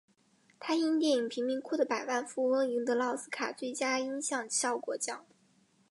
他因电影贫民窟的百万富翁赢得了奥斯卡最佳音响效果奖。